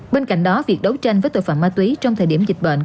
bên cạnh đó việc đấu tranh với tội phạm ma túy trong thời điểm dịch bệnh